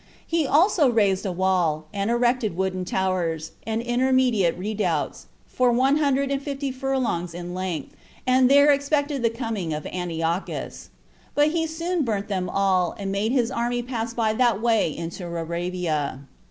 He also raised a wall, and erected wooden towers, and intermediate redoubts, for one hundred and fifty furlongs in length, and there expected the coming of Antiochus; but he soon burnt them all, and made his army pass by that way into Arabia.